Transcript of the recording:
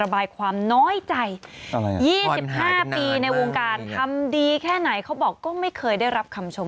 ระบายความน้อยใจ๒๕ปีในวงการทำดีแค่ไหนเขาบอกก็ไม่เคยได้รับคำชม